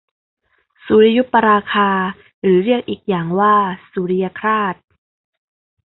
สุริยุปราคา หรือเรียกอีกอย่างว่าสุริยคราส